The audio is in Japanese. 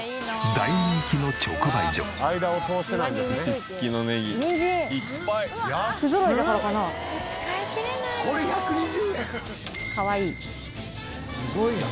すごい。